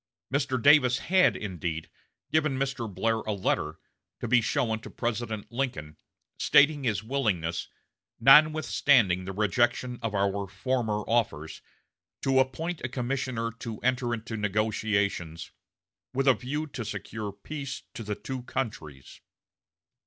Mr. Davis had, indeed, given Mr. Blair a letter, to be shown to President Lincoln, stating his willingness, "notwithstanding the rejection of our former offers," to appoint a commissioner to enter into negotiations "with a view to secure peace to the two countries."